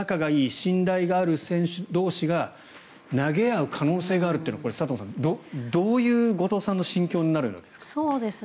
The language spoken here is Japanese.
信頼がある選手同士が投げ合う可能性があるというのは佐藤さん、どういう後藤さんの心境になるわけですか？